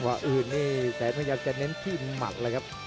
สันนี้จะเน้นที่หมัดครับ